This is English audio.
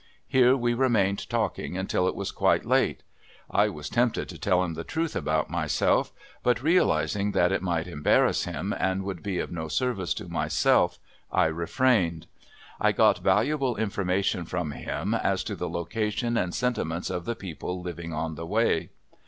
Here we remained talking until it was quite late. I was tempted to tell him the truth about myself, but realizing that it might embarrass him and would be of no service to myself I refrained. I got valuable information from him as to the location and sentiments of the people living on the way.